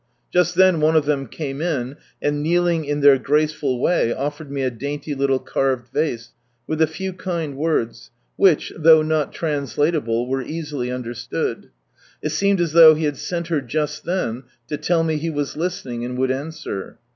Just then one of ihem came in, and, kneeling in iheir graceful way, offered me a dainty little carved vase, with a few kind words, which, though not translatable, were easily understood. It seemed as though He ha'i sent her just then to tell me He was listening and would answer.